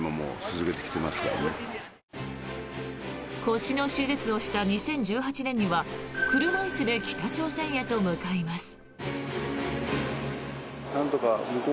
腰の手術をした２０１８年には車椅子で北朝鮮へと向かいます。